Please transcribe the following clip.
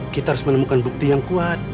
kita harus menemukan bukti yang kuat